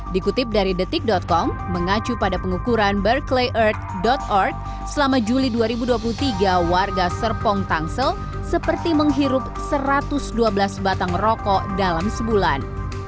dikutip dari detik com mengacu pada pengukuran berkelayert org selama juli dua ribu dua puluh tiga warga serpong tangsel seperti menghirup satu ratus dua belas batang rokok dalam sebulan